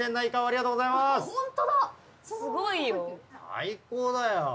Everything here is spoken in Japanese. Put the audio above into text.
最高だよ。